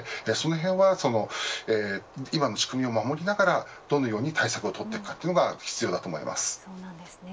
そのへんは今の仕組みを守りながらどのように対策をとるかが必要だと思います。